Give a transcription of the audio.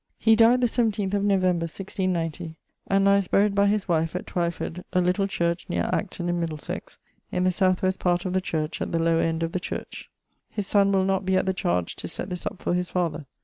He dyed the 17th of November 1690, and lies buried by his wife at Twyford, a little church neer Acton in Middlesex, in the southwest part of the church at the lower end of the church. His sonne will not be at the chardge to sett this up for his father.